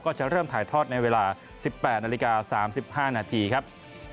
จะเริ่มถ่ายทอดในเวลา๑๘นาฬิกา๓๕นาทีครับ